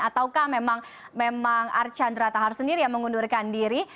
ataukah memang archandra tahar sendiri yang mengundurkan diri